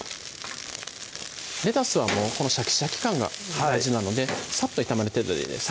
レタスはこのシャキシャキ感が大事なのでさっと炒める程度でいいです